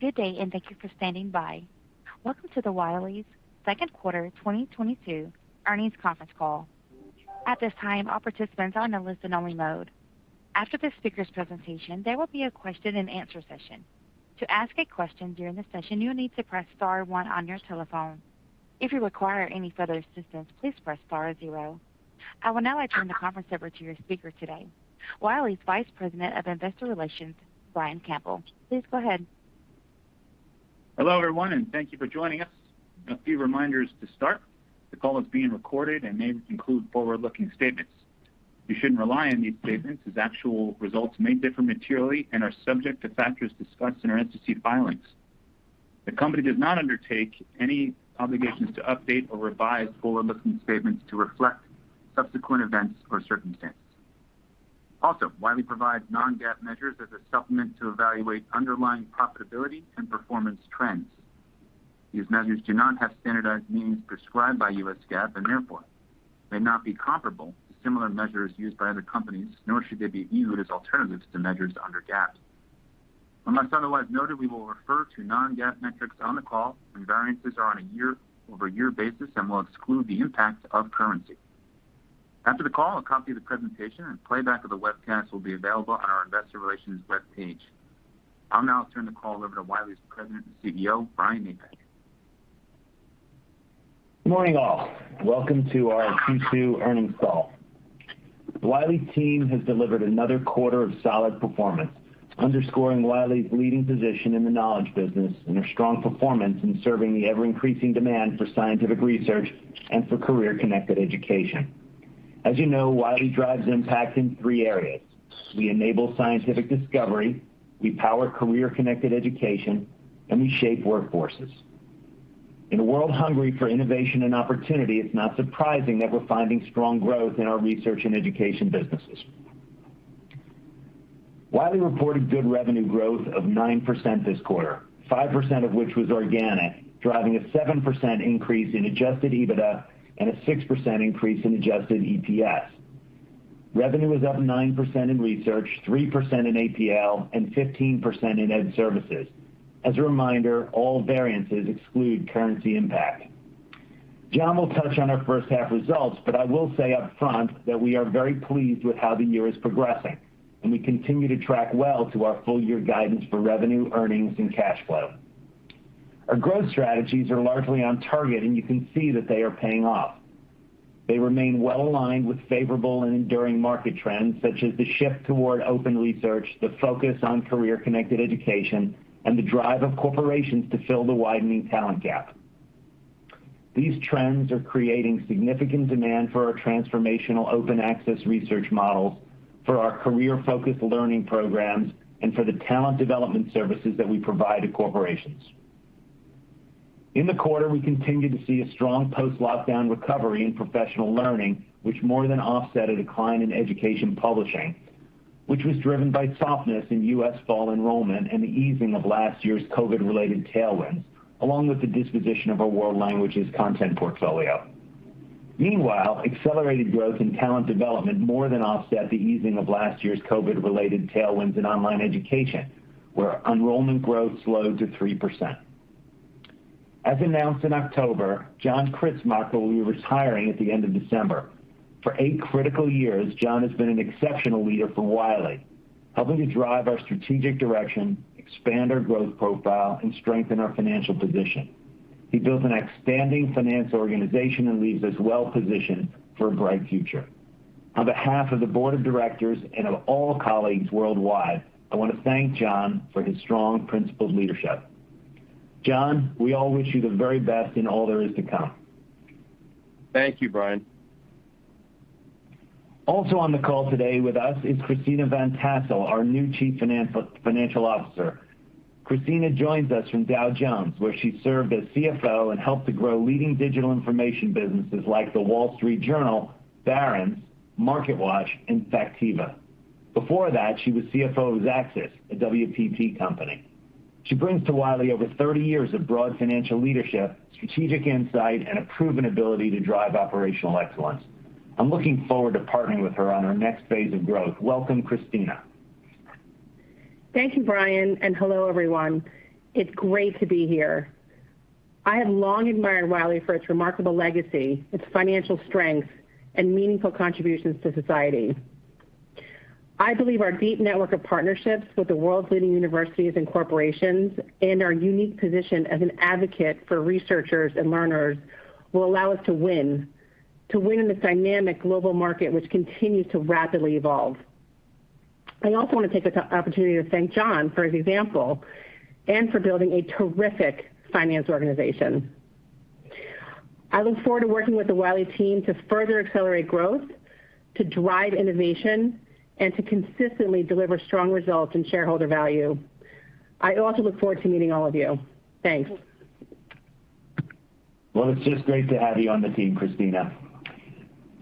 Good day, and thank you for standing by. Welcome to Wiley's Second Quarter 2022 Earnings Conference Call. At this time, all participants are in a listen-only mode. After the speaker's presentation, there will be a question and answer session. To ask a question during the session, you'll need to press star one on your telephone. If you require any further assistance, please press star zero. I will now hand the conference over to your speaker today, Wiley's Vice President of Investor Relations, Brian Campbell. Please go ahead. Hello, everyone, and thank you for joining us. A few reminders to start. The call is being recorded and may include forward-looking statements. You shouldn't rely on these statements as actual results may differ materially and are subject to factors discussed in our SEC filings. The company does not undertake any obligations to update or revise forward-looking statements to reflect subsequent events or circumstances. Also, Wiley provides non-GAAP measures as a supplement to evaluate underlying profitability and performance trends. These measures do not have standardized meanings prescribed by U.S. GAAP and therefore may not be comparable to similar measures used by other companies, nor should they be viewed as alternatives to measures under GAAP. Unless otherwise noted, we will refer to non-GAAP metrics on the call when variances are on a year-over-year basis and will exclude the impact of currency. After the call, a copy of the presentation and playback of the webcast will be available on our investor relations webpage. I'll now turn the call over to Wiley's President and CEO, Brian Napack. Good morning, all. Welcome to our Q2 earnings call. The Wiley team has delivered another quarter of solid performance, underscoring Wiley's leading position in the knowledge business and their strong performance in serving the ever-increasing demand for scientific research and for career-connected education. As you know, Wiley drives impact in three areas. We enable scientific discovery, we power career-connected education, and we shape workforces. In a world hungry for innovation and opportunity, it's not surprising that we're finding strong growth in our research and education businesses. Wiley reported good revenue growth of 9% this quarter, 5% of which was organic, driving a 7% increase in adjusted EBITDA and a 6% increase in adjusted EPS. Revenue was up 9% in research, 3% in APL, and 15% in Ed Services. As a reminder, all variances exclude currency impact. John will touch on our first half results, but I will say up front that we are very pleased with how the year is progressing, and we continue to track well to our full year guidance for revenue, earnings, and cash flow. Our growth strategies are largely on target, and you can see that they are paying off. They remain well aligned with favorable and enduring market trends, such as the shift toward open research, the focus on career-connected education, and the drive of corporations to fill the widening talent gap. These trends are creating significant demand for our transformational Open Access research models for our career-focused learning programs and for the talent development services that we provide to corporations. In the quarter, we continued to see a strong post-lockdown recovery in professional learning, which more than offset a decline in education publishing, which was driven by softness in U.S. fall enrollment and the easing of last year's COVID-related tailwinds, along with the disposition of our world languages content portfolio. Meanwhile, accelerated growth in talent development more than offset the easing of last year's COVID-related tailwinds in online education, where enrollment growth slowed to 3%. As announced in October, John Kritzmacher will be retiring at the end of December. For eight critical years, John has been an exceptional leader for Wiley, helping to drive our strategic direction, expand our growth profile, and strengthen our financial position. He built an outstanding finance organization and leaves us well-positioned for a bright future. On behalf of the board of directors and of all colleagues worldwide, I want to thank John for his strong, principled leadership. John, we all wish you the very best in all there is to come. Thank you, Brian. Also on the call today with us is Christina Van Tassell, our new Chief Financial Officer. Christina joins us from Dow Jones, where she served as CFO and helped to grow leading digital information businesses like The Wall Street Journal, Barron's, MarketWatch, and Factiva. Before that, she was CFO of Xaxis, a WPP company. She brings to Wiley over 30 years of broad financial leadership, strategic insight, and a proven ability to drive operational excellence. I'm looking forward to partnering with her on our next phase of growth. Welcome, Christina. Thank you, Brian. Hello, everyone. It's great to be here. I have long admired Wiley for its remarkable legacy, its financial strength, and meaningful contributions to society. I believe our deep network of partnerships with the world's leading universities and corporations and our unique position as an advocate for researchers and learners will allow us to win in this dynamic global market which continues to rapidly evolve. I also want to take this opportunity to thank John for his example and for building a terrific finance organization. I look forward to working with the Wiley team to further accelerate growth, to drive innovation, and to consistently deliver strong results and shareholder value. I also look forward to meeting all of you. Thanks. Well, it's just great to have you on the team, Christina.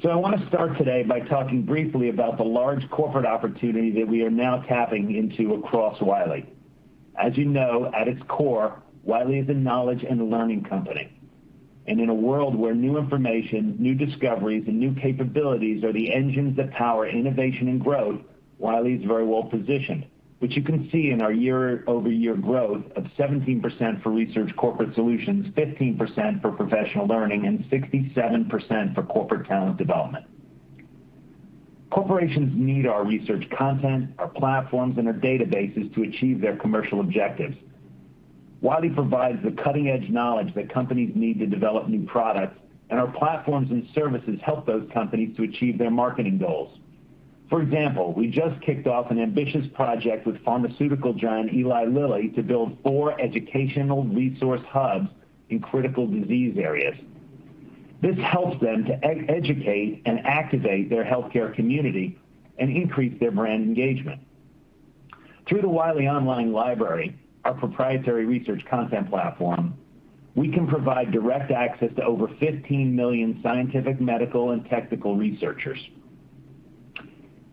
I want to start today by talking briefly about the large corporate opportunity that we are now tapping into across Wiley. As you know, at its core, Wiley is a knowledge and learning company. In a world where new information, new discoveries, and new capabilities are the engines that power innovation and growth, Wiley is very well-positioned, which you can see in our year-over-year growth of 17% for research corporate solutions, 15% for professional learning, and 67% for corporate talent development. Corporations need our research content, our platforms, and our databases to achieve their commercial objectives. Wiley provides the cutting-edge knowledge that companies need to develop new products, and our platforms and services help those companies to achieve their marketing goals. For example, we just kicked off an ambitious project with pharmaceutical giant Eli Lilly to build four educational resource hubs in critical disease areas. This helps them to educate and activate their healthcare community and increase their brand engagement. Through the Wiley Online Library, our proprietary research content platform, we can provide direct access to over 15 million scientific, medical, and technical researchers.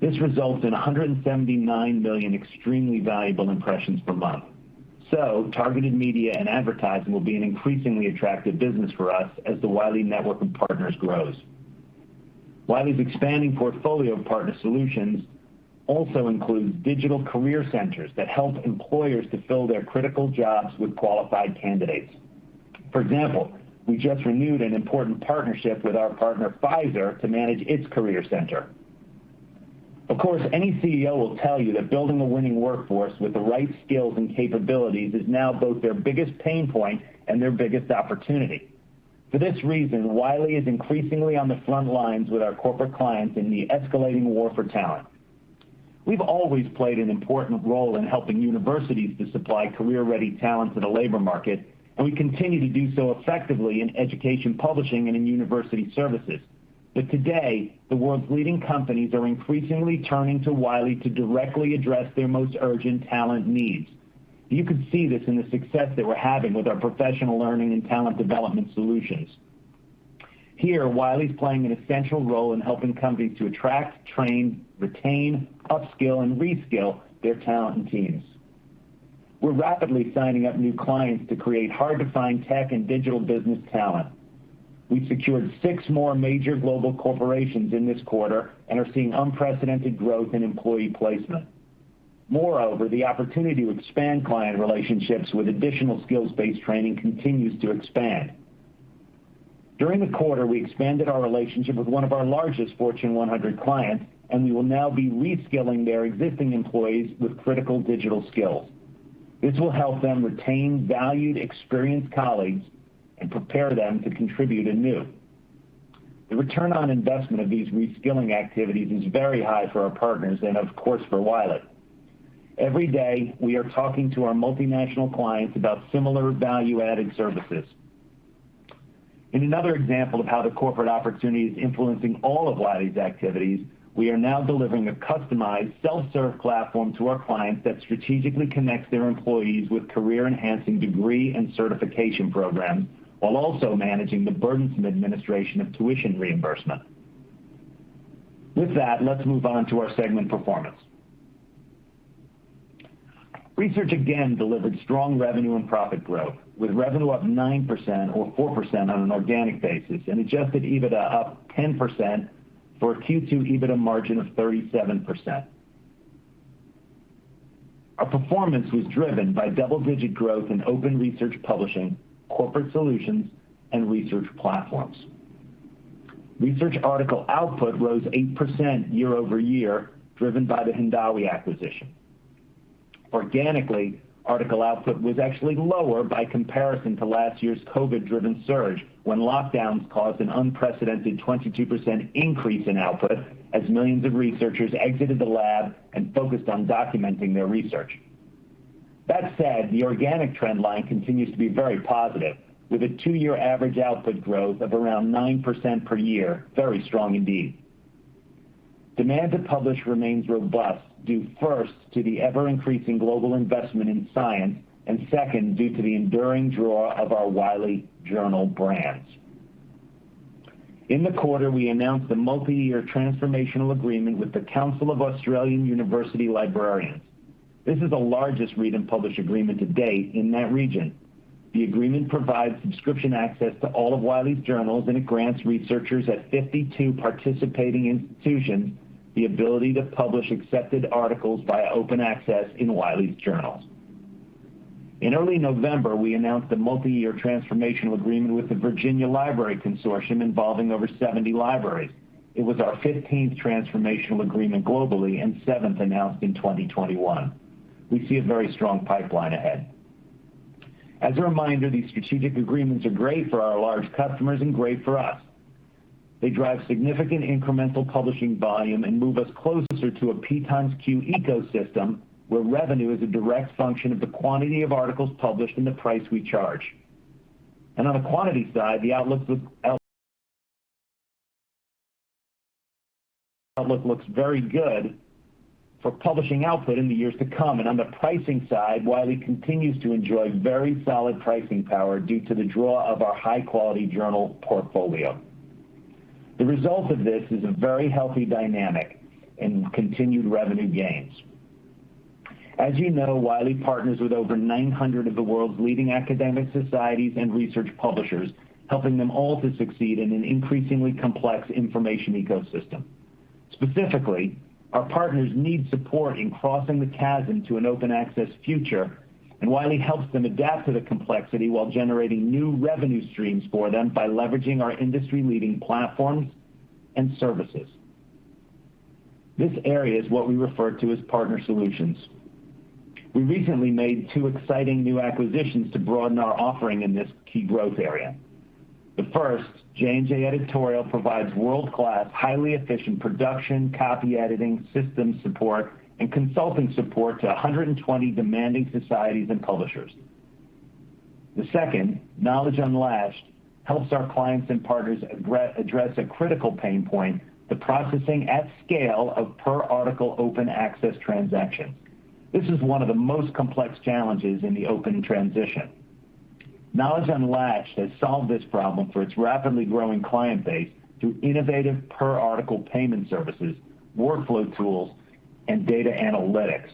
This results in 179 million extremely valuable impressions per month. Targeted media and advertising will be an increasingly attractive business for us as the Wiley network of partners grows. Wiley's expanding portfolio of partner solutions also includes digital career centers that help employers to fill their critical jobs with qualified candidates. For example, we just renewed an important partnership with our partner Pfizer to manage its career center. Of course, any CEO will tell you that building a winning workforce with the right skills and capabilities is now both their biggest pain point and their biggest opportunity. For this reason, Wiley is increasingly on the front lines with our corporate clients in the escalating war for talent. We've always played an important role in helping universities to supply career-ready talent to the labor market, and we continue to do so effectively in education publishing and in university services. But today, the world's leading companies are increasingly turning to Wiley to directly address their most urgent talent needs. You can see this in the success that we're having with our professional learning and talent development solutions. Here, Wiley is playing an essential role in helping companies to attract, train, retain, upskill, and reskill their talent and teams. We're rapidly signing up new clients to create hard-to-find tech and digital business talent. We've secured six more major global corporations in this quarter and are seeing unprecedented growth in employee placement. Moreover, the opportunity to expand client relationships with additional skills-based training continues to expand. During the quarter, we expanded our relationship with one of our largest Fortune 100 clients, and we will now be reskilling their existing employees with critical digital skills. This will help them retain valued, experienced colleagues and prepare them to contribute anew. The return on investment of these reskilling activities is very high for our partners and of course for Wiley. Every day, we are talking to our multinational clients about similar value-added services. In another example of how the corporate opportunity is influencing all of Wiley's activities, we are now delivering a customized self-serve platform to our clients that strategically connects their employees with career-enhancing degree and certification programs while also managing the burdensome administration of tuition reimbursement. With that, let's move on to our segment performance. Research again delivered strong revenue and profit growth, with revenue up 9% or 4% on an organic basis and adjusted EBITDA up 10% for a Q2 EBITDA margin of 37%. Our performance was driven by double-digit growth in open research publishing, corporate solutions, and research platforms. Research article output rose 8% year-over-year, driven by the Hindawi acquisition. Organically, article output was actually lower by comparison to last year's COVID-driven surge when lockdowns caused an unprecedented 22% increase in output as millions of researchers exited the lab and focused on documenting their research. That said, the organic trend line continues to be very positive, with a two-year average output growth of around 9% per year, very strong indeed. Demand to publish remains robust, due first to the ever-increasing global investment in science, and second, due to the enduring draw of our Wiley journal brands. In the quarter, we announced a multi-year transformational agreement with the Council of Australasian University Librarians. This is the largest read and publish agreement to date in that region. The agreement provides subscription access to all of Wiley's journals, and it grants researchers at 52 participating institutions the ability to publish accepted articles via Open Access in Wiley's journals. In early November, we announced a multi-year transformational agreement with VIVA involving over 70 libraries. It was our 15th transformational agreement globally and 7th announced in 2021. We see a very strong pipeline ahead. As a reminder, these strategic agreements are great for our large customers and great for us. They drive significant incremental publishing volume and move us closer to a PxQ ecosystem where revenue is a direct function of the quantity of articles published and the price we charge. On the quantity side, the outlook looks very good for publishing output in the years to come. On the pricing side, Wiley continues to enjoy very solid pricing power due to the draw of our high-quality journal portfolio. The result of this is a very healthy dynamic and continued revenue gains. As you know, Wiley partners with over 900 of the world's leading academic societies and research publishers, helping them all to succeed in an increasingly complex information ecosystem. Specifically, our partners need support in crossing the chasm to an Open Access future, and Wiley helps them adapt to the complexity while generating new revenue streams for them by leveraging our industry-leading platforms and services. This area is what we refer to as partner solutions. We recently made two exciting new acquisitions to broaden our offering in this key growth area. The first, J&J Editorial, provides world-class, highly efficient production, copy editing, system support, and consulting support to 120 demanding societies and publishers. The second, Knowledge Unlatched, helps our clients and partners address a critical pain point, the processing at scale of per article Open Access transactions. This is one of the most complex challenges in the open transition. Knowledge Unlatched has solved this problem for its rapidly growing client base through innovative per article payment services, workflow tools, and data analytics.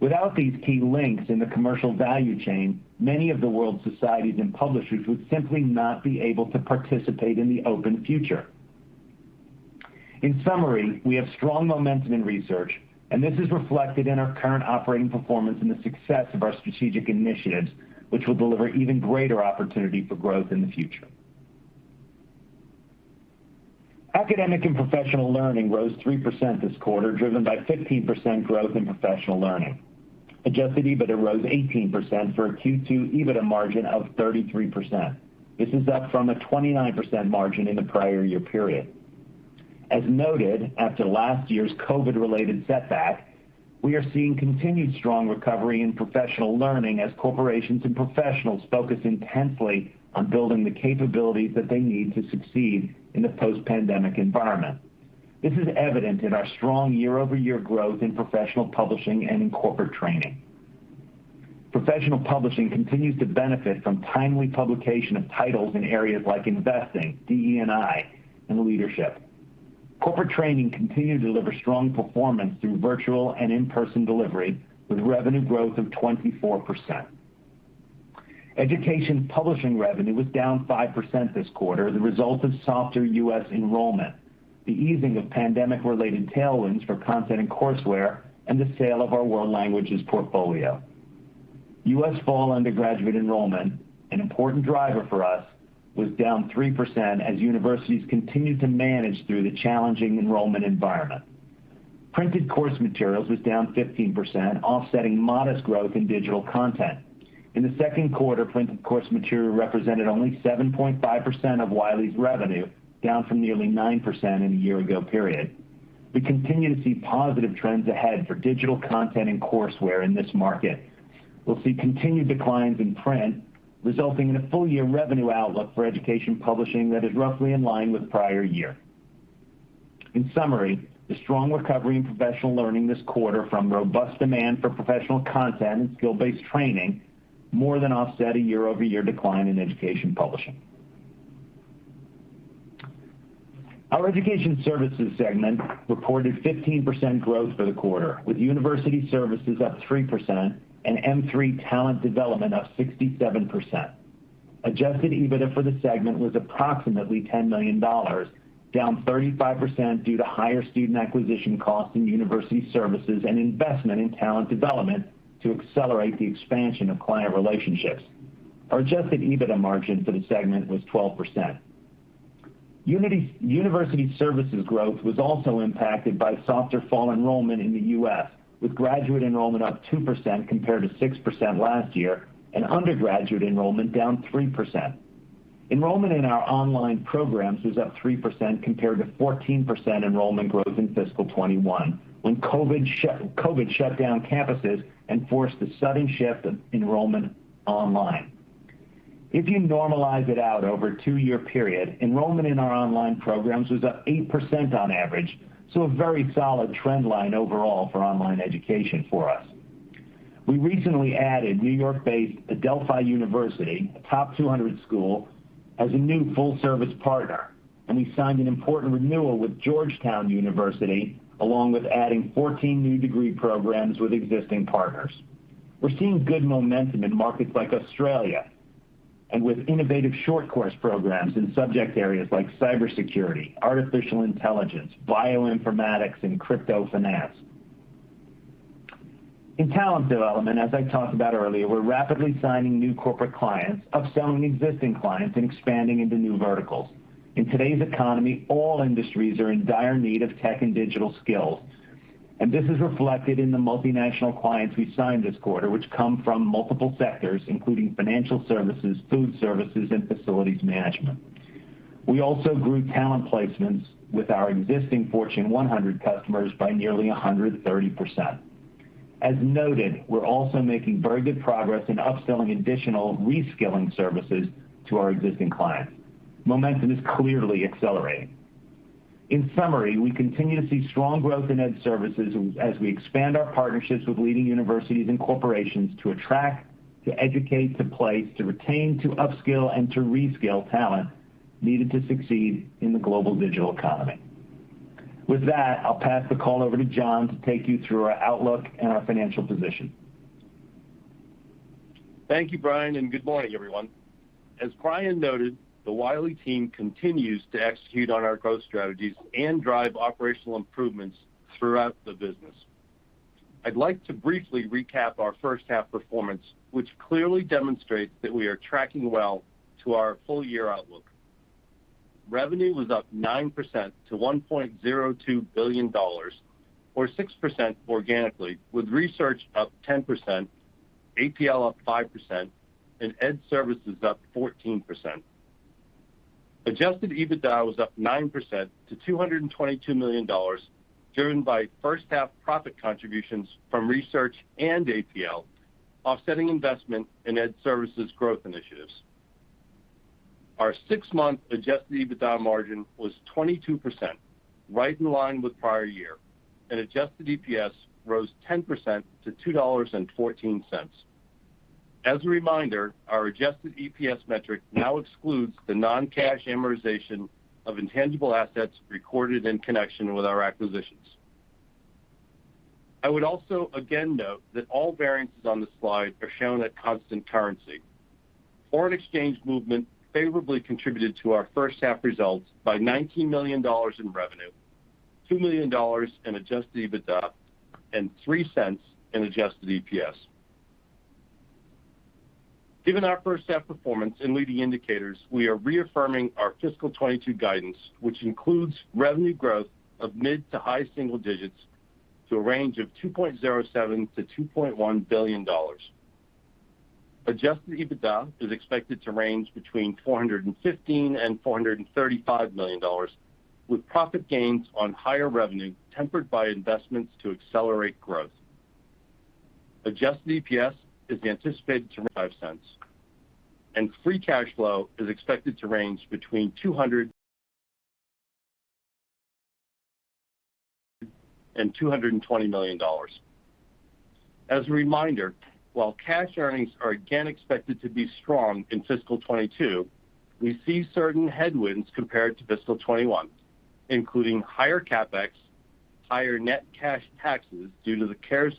Without these key links in the commercial value chain, many of the world's societies and publishers would simply not be able to participate in the open future. In summary, we have strong momentum in research, and this is reflected in our current operating performance and the success of our strategic initiatives, which will deliver even greater opportunity for growth in the future. Academic and Professional Learning rose 3% this quarter, driven by 15% growth in professional learning. Adjusted EBITDA rose 18% for a Q2 EBITDA margin of 33%. This is up from a 29% margin in the prior year period. After last year's COVID-related setback, we are seeing continued strong recovery in professional learning as corporations and professionals focus intensely on building the capabilities that they need to succeed in a post-pandemic environment. This is evident in our strong year-over-year growth in professional publishing and in corporate training. Professional publishing continues to benefit from timely publication of titles in areas like investing, DE&I, and leadership. Corporate training continued to deliver strong performance through virtual and in-person delivery with revenue growth of 24%. Education Publishing revenue was down 5% this quarter, the result of softer U.S. enrollment, the easing of pandemic-related tailwinds for content and courseware, and the sale of our world languages portfolio. U.S. fall undergraduate enrollment, an important driver for us, was down 3% as universities continued to manage through the challenging enrollment environment. Printed course materials was down 15%, offsetting modest growth in digital content. In the second quarter, printed course material represented only 7.5% of Wiley's revenue, down from nearly 9% in a year-ago period. We continue to see positive trends ahead for digital content and courseware in this market. We'll see continued declines in print, resulting in a full-year revenue outlook for Education Publishing that is roughly in line with prior year. In summary, the strong recovery in Professional Learning this quarter from robust demand for professional content and skill-based training more than offset a year-over-year decline in Education Publishing. Our Education Services segment reported 15% growth for the quarter, with university services up 3% and Mthree talent development up 67%. Adjusted EBITDA for the segment was approximately $10 million, down 35% due to higher student acquisition costs in university services and investment in talent development to accelerate the expansion of client relationships. Our adjusted EBITDA margin for the segment was 12%. University services growth was also impacted by softer fall enrollment in the U.S., with graduate enrollment up 2% compared to 6% last year and undergraduate enrollment down 3%. Enrollment in our online programs was up 3% compared to 14% enrollment growth in fiscal 2021 when COVID shut down campuses and forced a sudden shift of enrollment online. If you normalize it out over a two-year period, enrollment in our online programs was up 8% on average, so a very solid trend line overall for online education for us. We recently added New York-based Adelphi University, a top 200 school, as a new full-service partner, and we signed an important renewal with Georgetown University, along with adding 14 new degree programs with existing partners. We're seeing good momentum in markets like Australia and with innovative short course programs in subject areas like cybersecurity, artificial intelligence, bioinformatics, and crypto finance. In talent development, as I talked about earlier, we're rapidly signing new corporate clients, upselling existing clients, and expanding into new verticals. In today's economy, all industries are in dire need of tech and digital skills, and this is reflected in the multinational clients we signed this quarter, which come from multiple sectors, including financial services, food services, and facilities management. We also grew talent placements with our existing Fortune 100 customers by nearly 130%. As noted, we're also making very good progress in upselling additional reskilling services to our existing clients. Momentum is clearly accelerating. In summary, we continue to see strong growth in Ed Services as we expand our partnerships with leading universities and corporations to attract, to educate, to place, to retain, to upskill, and to reskill talent needed to succeed in the global digital economy. With that, I'll pass the call over to John to take you through our outlook and our financial position. Thank you, Brian, and good morning, everyone. As Brian noted, the Wiley team continues to execute on our growth strategies and drive operational improvements throughout the business. I'd like to briefly recap our first half performance, which clearly demonstrates that we are tracking well to our full year outlook. Revenue was up 9% to $1.02 billion or 6% organically, with research up 10%, APL up 5%, and Ed services up 14%. Adjusted EBITDA was up 9% to $222 million, driven by first half profit contributions from research and APL, offsetting investment in Ed services growth initiatives. Our six-month adjusted EBITDA margin was 22%, right in line with prior year, and adjusted EPS rose 10% to $2.14. As a reminder, our adjusted EPS metric now excludes the non-cash amortization of intangible assets recorded in connection with our acquisitions. I would also again note that all variances on the slide are shown at constant currency. Foreign exchange movement favorably contributed to our first half results by $19 million in revenue, $2 million in adjusted EBITDA, and $0.03 in adjusted EPS. Given our first half performance and leading indicators, we are reaffirming our fiscal 2022 guidance, which includes revenue growth of mid- to high-single-digits to a range of $2.07 billion-$2.1 billion. Adjusted EBITDA is expected to range between $415 million-$435 million, with profit gains on higher revenue tempered by investments to accelerate growth. Adjusted EPS is anticipated to be $0.05, and free cash flow is expected to range between $200 million-$220 million. As a reminder, while cash earnings are again expected to be strong in fiscal 2022, we see certain headwinds compared to fiscal 2021, including higher CapEx, higher net cash taxes due to the CARES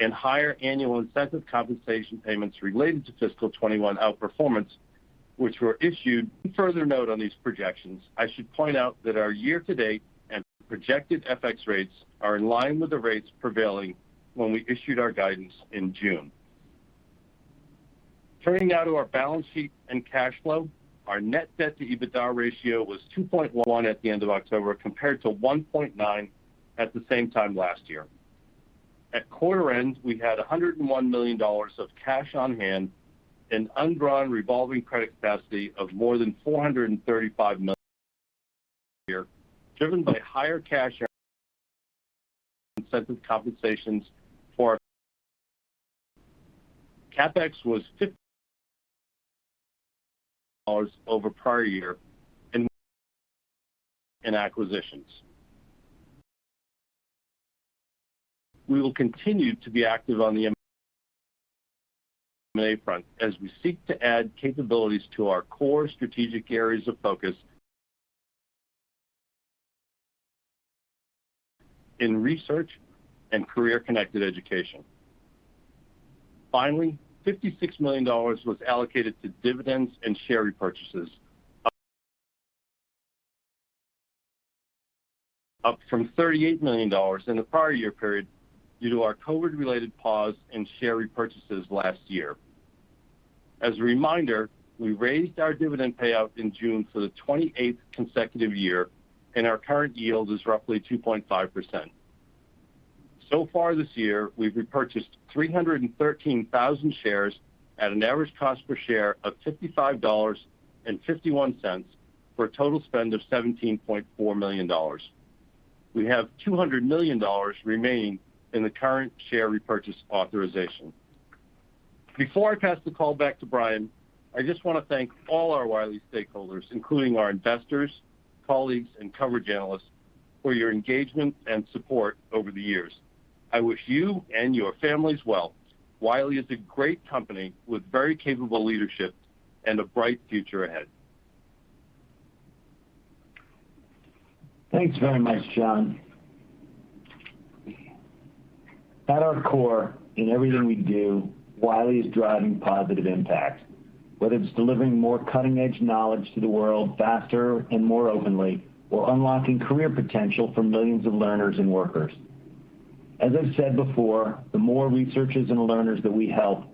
Act relief, and higher annual incentive compensation payments related to fiscal 2021 outperformance, which were issued. Further note on these projections, I should point out that our year to date and projected FX rates are in line with the rates prevailing when we issued our guidance in June. Turning now to our balance sheet and cash flow, our net debt to EBITDA ratio was 2.1% at the end of October, compared to 1.9% at the same time last year. At quarter end, we had $101 million of cash on hand and undrawn revolving credit capacity of more than $435 million driven by higher cash incentive compensations. CapEx was $50 million over prior year and acquisitions. We will continue to be active on the M&A front as we seek to add capabilities to our core strategic areas of focus in research and career-connected education. Finally, $56 million was allocated to dividends and share repurchases, up from $38 million in the prior year period due to our COVID-related pause in share repurchases last year. As a reminder, we raised our dividend payout in June for the 28th consecutive year, and our current yield is roughly 2.5%. So far this year, we've repurchased 313,000 shares at an average cost per share of $55.51 for a total spend of $17.4 million. We have $200 million remaining in the current share repurchase authorization. Before I pass the call back to Brian, I just want to thank all our Wiley stakeholders, including our investors, colleagues, and coverage analysts for your engagement and support over the years. I wish you and your families well. Wiley is a great company with very capable leadership and a bright future ahead. Thanks very much, John. At our core, in everything we do, Wiley is driving positive impact, whether it's delivering more cutting-edge knowledge to the world faster and more openly, or unlocking career potential for millions of learners and workers. As I've said before, the more researchers and learners that we help,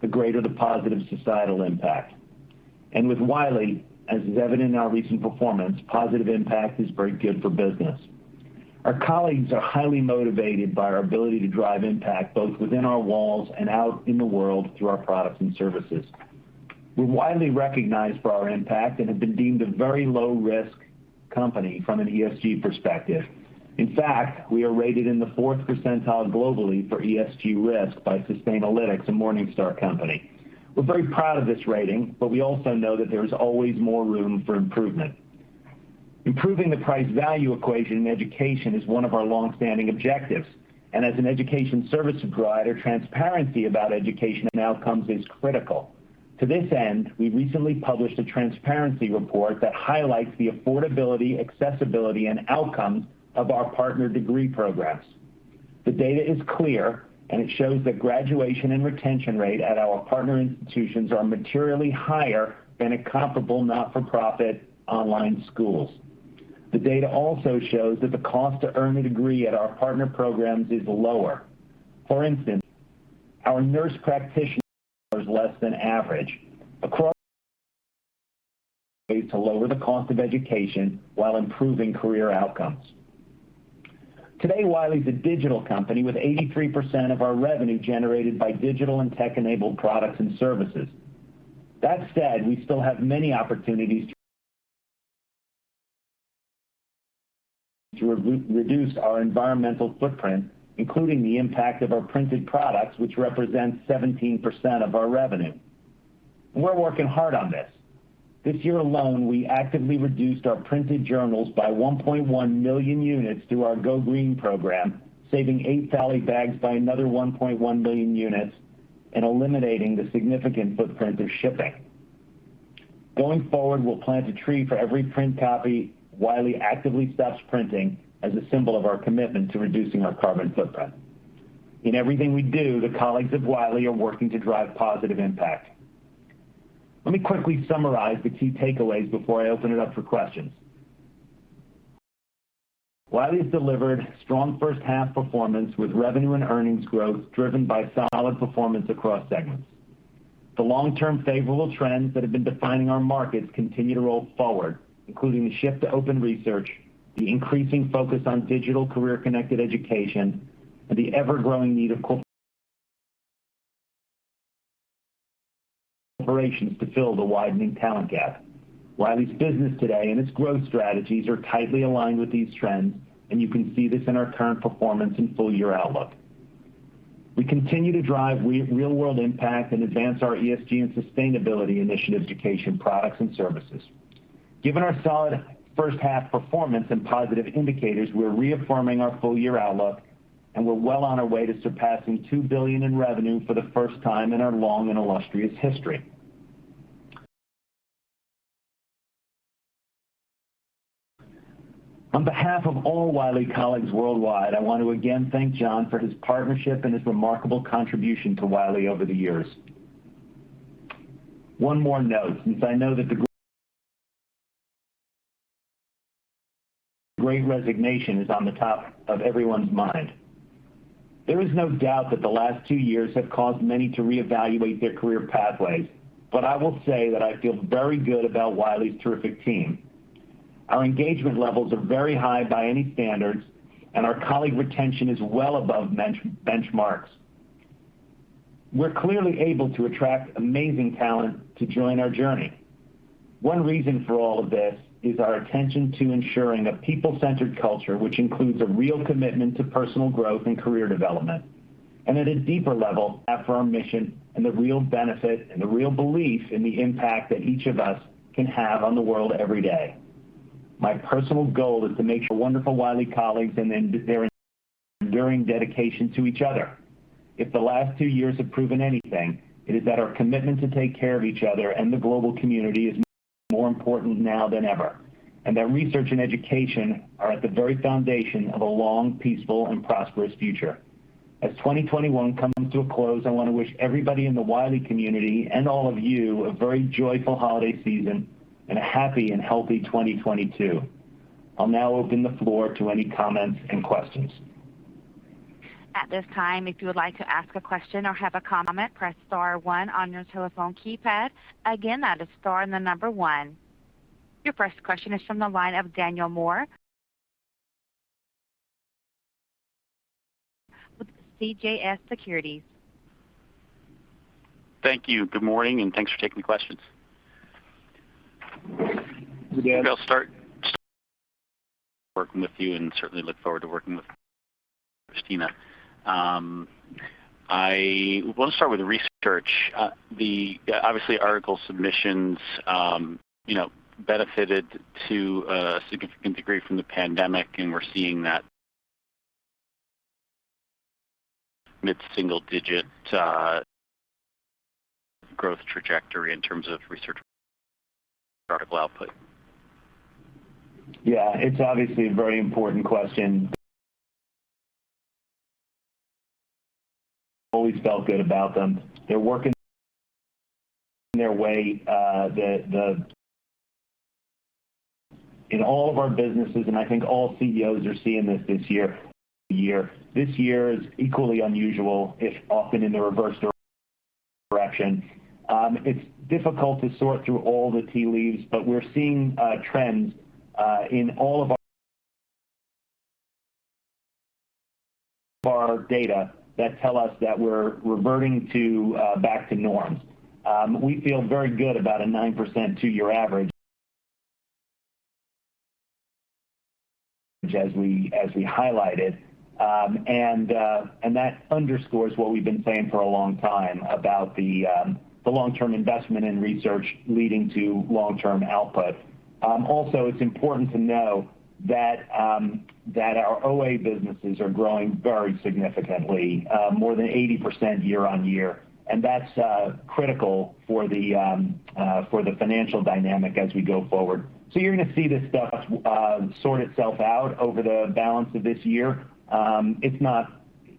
the greater the positive societal impact. With Wiley, as is evident in our recent performance, positive impact is very good for business. Our colleagues are highly motivated by our ability to drive impact both within our walls and out in the world through our products and services. We're widely recognized for our impact and have been deemed a very low-risk company from an ESG perspective. In fact, we are rated in the fourth percentile globally for ESG risk by Sustainalytics, a Morningstar company. We are very proud of this rating, but we also know that there is always more room for improvement. Improving the price value equation in education is one of our long-standing objectives, and as an education service provider, transparency about education and outcomes is critical. To this end, we recently published a transparency report that highlights the affordability, accessibility, and outcomes of our partner degree programs. The data is clear, and it shows that graduation and retention rate at our partner institutions are materially higher than at comparable not-for-profit online schools. The data also shows that the cost to earn a degree at our partner programs is lower. For instance, our nurse practitioner less than average. Across to lower the cost of education while improving career outcomes. Today, Wiley is a digital company with 83% of our revenue generated by digital and tech-enabled products and services. That said, we still have many opportunities to reduce our environmental footprint, including the impact of our printed products, which represents 17% of our revenue. We're working hard on this. This year alone, we actively reduced our printed journals by 1.1 million units through our Go Green program, saving by another 1.1 million units and eliminating the significant footprint of shipping. Going forward, we'll plant a tree for every print copy Wiley actively stops printing as a symbol of our commitment to reducing our carbon footprint. In everything we do, the colleagues of Wiley are working to drive positive impact. Let me quickly summarize the key takeaways before I open it up for questions. Wiley has delivered strong first half performance with revenue and earnings growth driven by solid performance across segments. The long-term favorable trends that have been defining our markets continue to roll forward, including the shift to open research, the increasing focus on digital career-connected education, and the ever-growing need of corporations to fill the widening talent gap. Wiley's business today and its growth strategies are tightly aligned with these trends, and you can see this in our current performance and full-year outlook. We continue to drive real-world impact and advance our ESG and sustainability initiatives, education products, and services. Given our solid first half performance and positive indicators, we're reaffirming our full-year outlook, and we're well on our way to surpassing $2 billion in revenue for the first time in our long and illustrious history. On behalf of all Wiley colleagues worldwide, I want to again thank John for his partnership and his remarkable contribution to Wiley over the years. One more note, since I know that the Great Resignation is on the top of everyone's mind. There is no doubt that the last two years have caused many to reevaluate their career pathways, but I will say that I feel very good about Wiley's terrific team. Our engagement levels are very high by any standards, and our colleague retention is well above benchmarks. We're clearly able to attract amazing talent to join our journey. One reason for all of this is our attention to ensuring a people-centered culture, which includes a real commitment to personal growth and career development. At a deeper level, our firm mission and the real benefit and the real belief in the impact that each of us can have on the world every day. My personal goal is to make sure wonderful Wiley colleagues and then their enduring dedication to each other. If the last two years have proven anything, it is that our commitment to take care of each other and the global community is more important now than ever. That research and education are at the very foundation of a long, peaceful, and prosperous future. As 2021 comes to a close, I want to wish everybody in the Wiley community and all of you a very joyful holiday season and a happy and healthy 2022. I'll now open the floor to any comments and questions. At this time, if you would like to ask a question or have a comment, press star one on your telephone keypad; again, star and the number one. Your first question is from the line of Daniel Moore with CJS Securities. Thank you. Good morning, and thanks for taking the questions. I'll start working with you and certainly look forward to working with Christina. I want to start with research. Obviously, article submissions, you know, benefited to a significant degree from the pandemic, and we're seeing that mid-single-digit growth trajectory in terms of research article output. Yeah. It's obviously a very important question. Always felt good about them. They're working their way. In all of our businesses, and I think all CEOs are seeing this this year. This year is equally unusual, if often in the reverse direction. It's difficult to sort through all the tea leaves, but we're seeing trends in all of our data that tell us that we're reverting back to norms. We feel very good about a 9% two-year average, as we highlighted. And that underscores what we've been saying for a long time about the long-term investment in research leading to long-term output. Also it's important to know that our OA businesses are growing very significantly, more than 80% year on year. That's critical for the financial dynamic as we go forward. You're gonna see this stuff sort itself out over the balance of this year.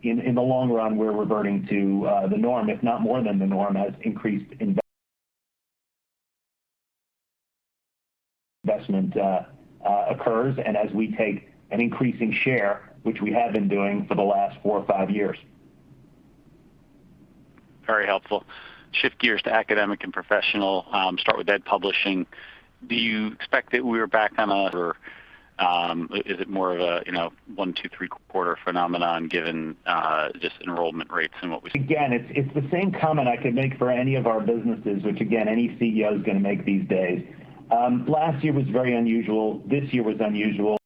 In the long run, we're reverting to the norm, if not more than the norm, as increased investment occurs, and as we take an increasing share, which we have been doing for the last four or five years. Very helpful. Shift gears to academic and professional. Start with ed publishing. Do you expect that we are back on a or is it more of a, you know, one, two, three quarter phenomenon given just enrollment rates and what we- Again, it's the same comment I could make for any of our businesses, which, again, any CEO is gonna make these days. Last year was very unusual. This year was unusual.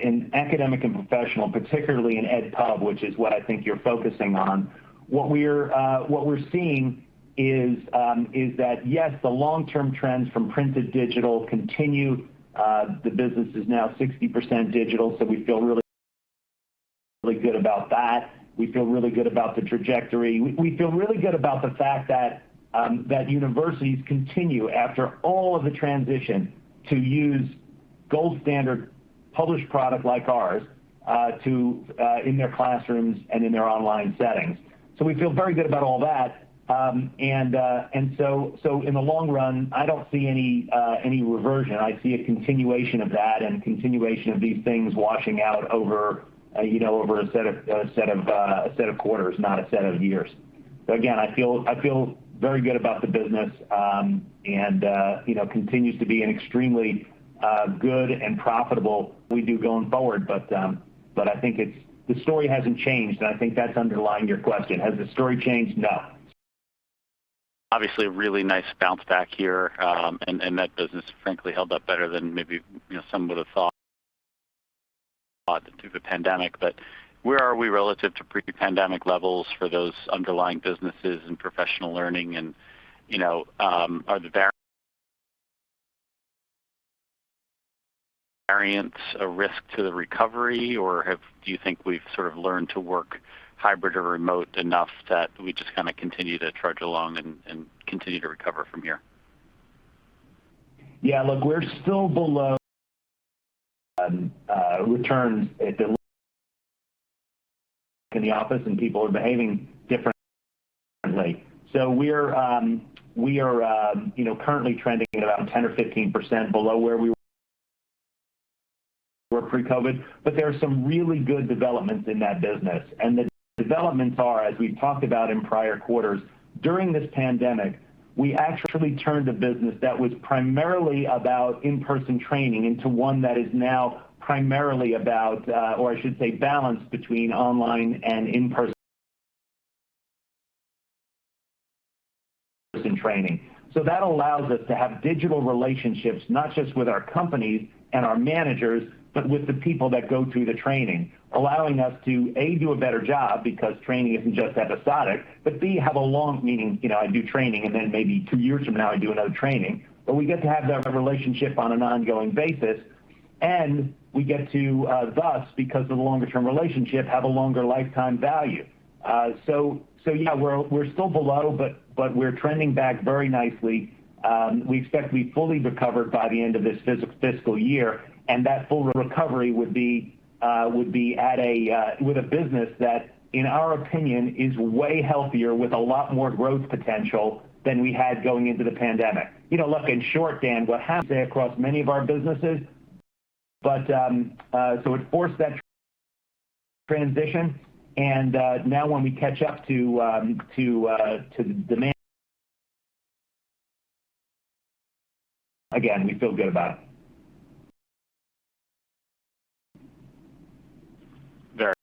In Academic and Professional, particularly in ed pub, which is what I think you're focusing on, what we're seeing is that, yes, the long-term trends from print to digital continue. The business is now 60% digital, so we feel really good about that. We feel really good about the trajectory. We feel really good about the fact that universities continue, after all of the transition, to use gold standard published product like ours to in their classrooms and in their online settings. So we feel very good about all that. In the long run, I don't see any reversion. I see a continuation of that and continuation of these things washing out over, you know, over a set of quarters, not a set of years. I feel very good about the business; you know, it continues to be an extremely good and profitable what we do going forward. I think the story hasn't changed, and I think that's underlying your question. Has the story changed? No. Obviously, a really nice bounce back here, and that business frankly held up better than maybe, you know, some would have thought through the pandemic. Where are we relative to pre-pandemic levels for those underlying businesses and professional learning? You know, is the variance a risk to the recovery? Or do you think we've sort of learned to work hybrid or remote enough that we just kinda continue to trudge along and continue to recover from here? Yeah. Look, we're still below return to the office, and people are behaving differently. We are, you know, currently trending at about 10% or 15% below where we were pre-COVID. There are some really good developments in that business. The developments are, as we've talked about in prior quarters; during this pandemic, we actually turned a business that was primarily about in-person training into one that is now primarily about—or I should say balanced between—online and in-person training. That allows us to have digital relationships, not just with our companies and our managers, but with the people that go through the training, allowing us to, A, do a better job because training isn't just episodic. B, have a long, meaning, you know, I do training, and then maybe two years from now I do another training. We get to have that relationship on an ongoing basis. We get to thus, because of the longer-term relationship, have a longer lifetime value. Yeah, we're still below, but we're trending back very nicely. We expect to be fully recovered by the end of this fiscal year, and that full recovery would be at a with a business that, in our opinion, is way healthier with a lot more growth potential than we had going into the pandemic. You know, look, in short, Daniel, what happened across many of our businesses, but it forced that transition, and now when we catch up to demand. Again, we feel good about it. Very,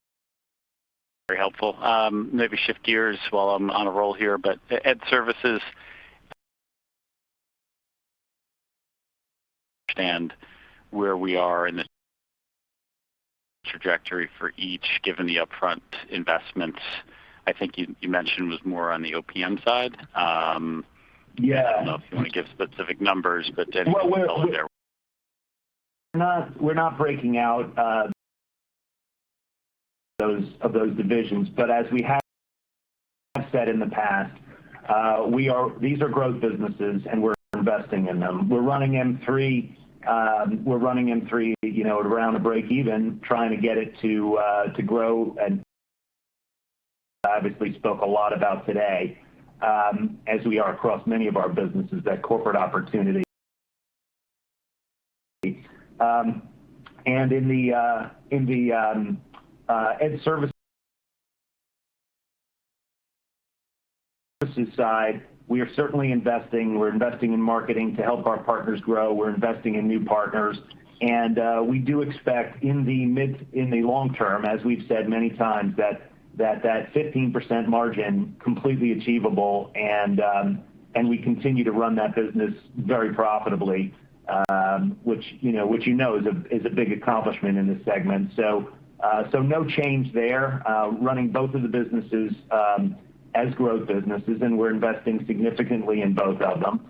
very helpful. Maybe shift gears while I'm on a roll here. Ed Services, understand where we are in the trajectory for each, given the upfront investments I think you mentioned was more on the OPM side. Yeah. I don't know if you wanna give specific numbers, but any. Well, we're -thought there. We're not breaking out those divisions. As we have said in the past, these are growth businesses, and we're investing in them. We're running Mthree, you know, around a breakeven, trying to get it to grow. Obviously, we spoke a lot about today, as we are across many of our businesses, that corporate opportunity. In the Ed Services side, we are certainly investing. We're investing in marketing to help our partners grow. We're investing in new partners. We do expect in the long term, as we've said many times, that 15% margin completely achievable and we continue to run that business very profitably, which, you know, is a big accomplishment in this segment. No change there, running both of the businesses as growth businesses, and we're investing significantly in both of them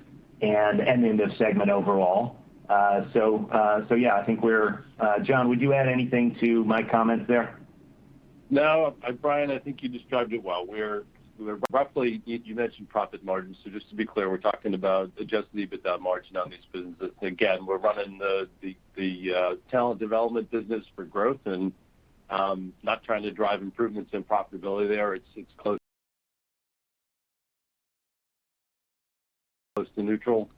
and in this segment overall. Yeah, I think we're. John, would you add anything to my comments there? No, Brian, I think you described it well. You mentioned profit margins. So just to be clear, we're talking about adjusted EBITDA margin on these businesses. Again, we're running the talent development business for growth and not trying to drive improvements in profitability there. It's close to neutral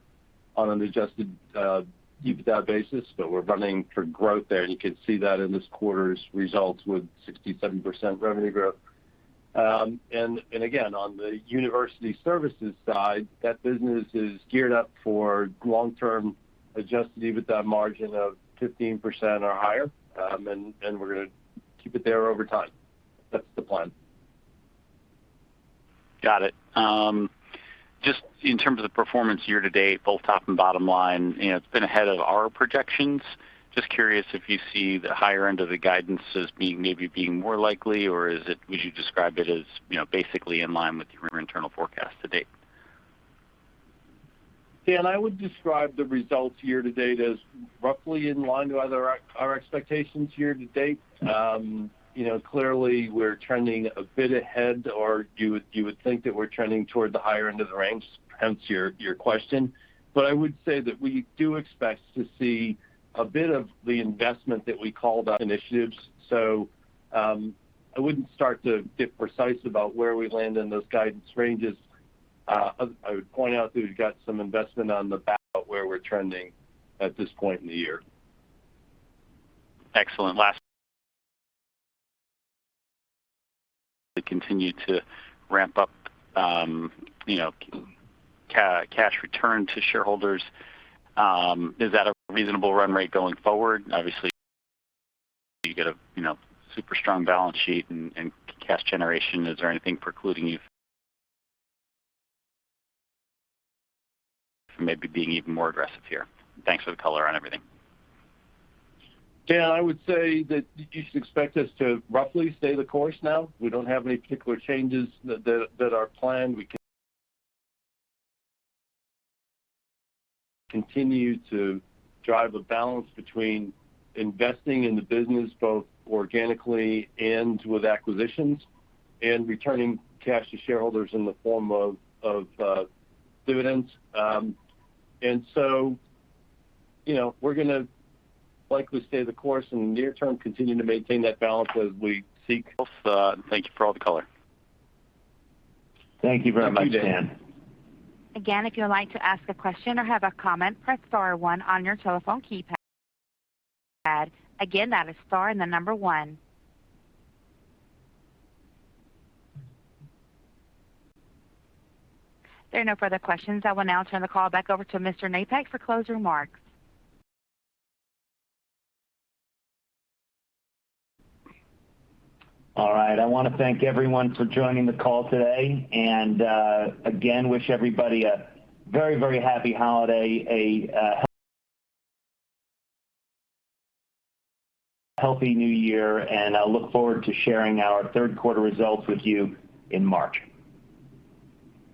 on an adjusted EBITDA basis, but we're running for growth there. You can see that in this quarter's results with 60%-70% revenue growth. Again, on the university services side, that business is geared up for long-term adjusted EBITDA margin of 15% or higher. We're gonna keep it there over time. That's the plan. Got it. Just in terms of the performance year-to-date, both top and bottom line, you know, it's been ahead of our projections. Just curious if you see the higher end of the guidances being, maybe more likely, or is it, would you describe it as, you know, basically in line with your internal forecast to date? Dan, I would describe the results year-to-date as roughly in line with our expectations year-to-date. You know, clearly, we're trending a bit ahead, or you would think that we're trending toward the higher end of the range, hence your question. I would say that we do expect to see a bit of the investment that we called out initiatives. I wouldn't start to get precise about where we land in those guidance ranges. I would point out that we've got some investment on the back half where we're trending at this point in the year. Excellent. To continue to ramp up, you know, cash return to shareholders—is that a reasonable run rate going forward? Obviously, you get a, you know, super strong balance sheet and cash generation. Is there anything precluding you from maybe being even more aggressive here? Thanks for the color on everything. Dan, I would say that you should expect us to roughly stay the course now. We don't have any particular changes that are planned. We can continue to drive a balance between investing in the business, both organically and with acquisitions, and returning cash to shareholders in the form of dividends. You know, we're gonna likely stay the course in the near term, continue to maintain that balance as we seek- Thank you for all the color. Thank you very much, Dan. Thank you. Again, if you'd like to ask a question or have a comment, press star one on your telephone keypad. Again, that is star and the number one. There are no further questions. I will now turn the call back over to Mr. Napack for closing remarks. All right. I wanna thank everyone for joining the call today and, again, wish everybody a very, very happy holiday, a healthy new year, and I look forward to sharing our third quarter results with you in March.